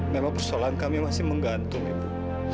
memang persoalan kami masih menggantung itu